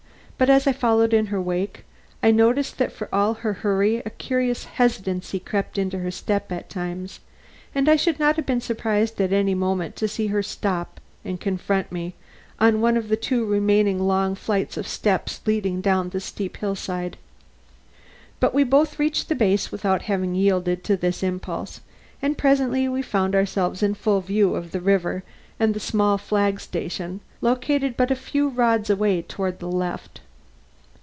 But as I followed in her wake I noticed that for all her hurry a curious hesitancy crept into her step at times, and I should not have been surprised at any moment to see her stop and confront me on one of the two remaining long flights of steps leading down the steep hillside. But we both reached the base without her having yielded to this impulse, and presently we found ourselves in full view of the river and the small flag station located but a few rods away toward the left.